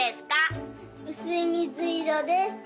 うすいみずいろです！